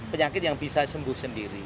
penyakit yang bisa sembuh sendiri